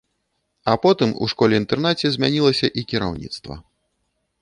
А потым у школе-інтэрнаце змянілася і кіраўніцтва.